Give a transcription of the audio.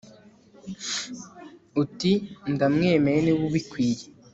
uti ' ndamwemeye ni we ubikwiye